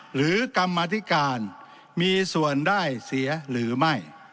หรือกรรมธิการมีส่วนได้เสียหรือไม่